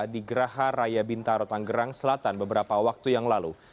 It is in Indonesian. di geraha raya bintaro tanggerang selatan beberapa waktu yang lalu